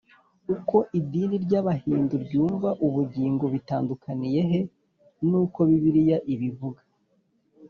uko idini ry’abahindu ryumva ubugingo bitandukaniye he n’uko bibiliya ibivuga?